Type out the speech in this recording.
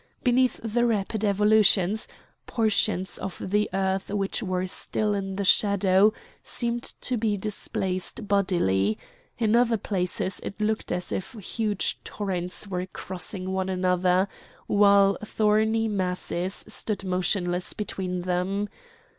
Beneath the rapid evolutions portions of the earth which were still in the shadow seemed to be displaced bodily; in other places it looked as if huge torrents were crossing one another, while thorny masses stood motionless between them.